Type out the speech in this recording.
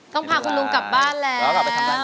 ต้องพาคุณลุงกลับบ้านแล้ว